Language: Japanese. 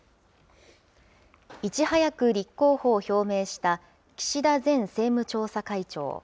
いち早く立候補を表明した岸田前政務調査会長。